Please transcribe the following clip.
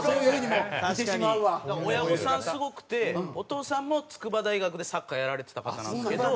すごくてお父さんも筑波大学でサッカーやられてた方なんですけど。